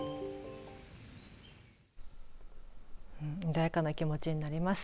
穏やかな気持ちになります。